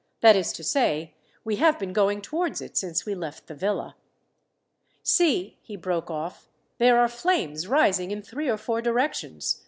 That is to say, we have been going towards it since we left the villa. "See," he broke off, "there are flames rising in three or four directions.